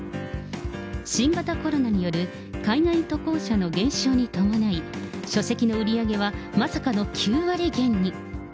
新型コロナによる海外渡航者の減少に伴い、書籍の売り上げはまさかの９割減に。